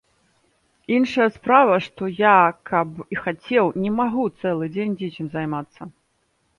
Іншая справа, што я каб і хацеў, не магу цэлы дзень дзіцем займацца.